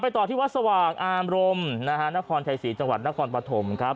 ต่อที่วัดสว่างอารมณ์นะฮะนครชัยศรีจังหวัดนครปฐมครับ